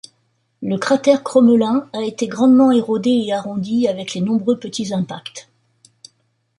Le cratère Crommelin a été grandement érodé et arrondi avec les nombreux petits impacts.